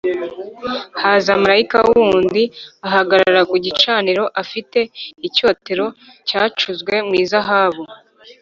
Haza marayika wundi ahagarara ku gicaniro afite icyotero cyacuzwe mu izahabu,